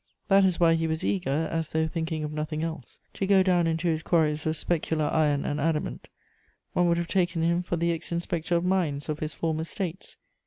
That is why he was eager, as though thinking of nothing else, to go down into his quarries of specular iron and adamant; one would have taken him for the ex inspector of Mines of his former States.